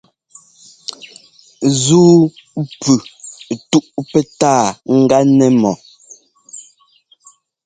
Ńzúu pʉ túʼ pɛtáa ɛ́gá nɛ́ mɔ.